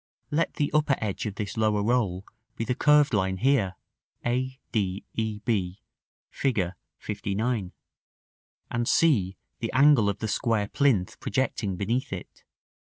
Let the upper edge of this lower roll be the curved line here, a, d, e, b, Fig. LIX., and c the angle of the square plinth projecting beneath it.